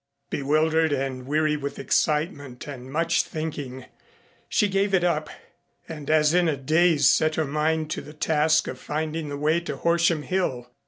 Bewildered and weary with excitement and much thinking, she gave it up, and as in a daze set her mind to the task of finding the way to Horsham Hill.